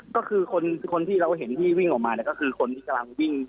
ก็คือคนที่เราเห็นที่วิ่งออกมาเนี่ยก็คือคนที่กำลังวิ่ง